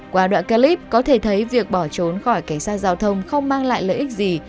qua đoạn clip có thể thấy việc bỏ trốn khỏi cảnh sát giao thông không mang lại lợi ích gì